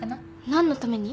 何のために？